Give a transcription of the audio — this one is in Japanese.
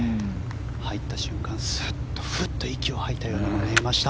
入った瞬間、ふっと息を吐いたように見えました。